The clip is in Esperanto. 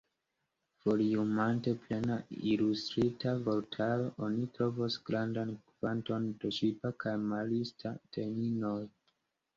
Foliumante Plena Ilustrita Vortaro, oni trovos grandan kvanton de ŝipa kaj marista terminoj.